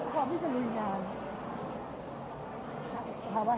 พี่คิดว่าเข้างานทุกครั้งอยู่หรือเปล่า